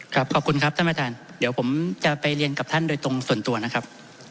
ขอบคุณครับท่านประธานเดี๋ยวผมจะไปเรียนกับท่านโดยตรงส่วนตัวนะครับ